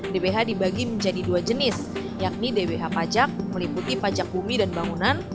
dbh dibagi menjadi dua jenis yakni dbh pajak meliputi pajak bumi dan bangunan